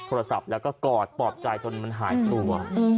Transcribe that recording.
โทรศัพท์แล้วก็กอดปลอบใจจนมันหายกลัว